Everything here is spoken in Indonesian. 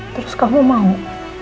terus kamu mau